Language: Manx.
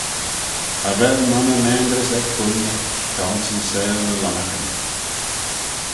Cha vell monney maynrys eck dhoinney ta ayns yn seihll ny lomyrken.